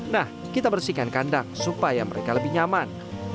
nah kita bersihkan kandang supaya mereka lebih nyaman